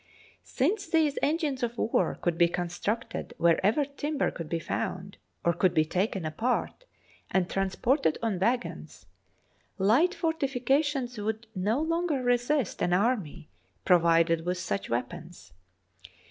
Since these engines of war could be constructed wherever timber could be found or could be taken apart and transported on waggons, light fortifica tions would no longer resist an army provided with such weapons.